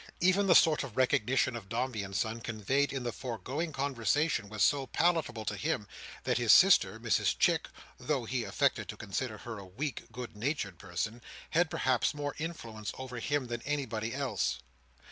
Even the sort of recognition of Dombey and Son, conveyed in the foregoing conversation, was so palatable to him, that his sister, Mrs Chick—though he affected to consider her a weak good natured person—had perhaps more influence over him than anybody else.